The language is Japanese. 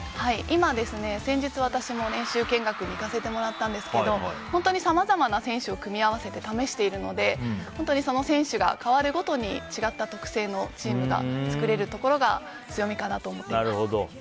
先日、私も練習見学に行かせてもらったんですけど本当にさまざまな選手を組み合わせて試しているのでその選手が代わるごとに違った特性のチームが作れるところが強みかなと思っています。